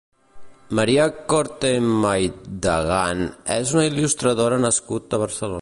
Maria Corte Maidagan és un il·lustradora nascut a Barcelona.